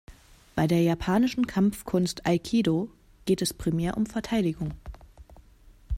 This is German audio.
Bei der japanischen Kampfkunst Aikido geht es primär um Verteidigung.